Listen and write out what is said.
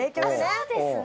そうですね！